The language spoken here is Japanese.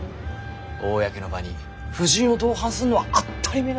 公の場に夫人を同伴すんのは当ったりめえなんだい。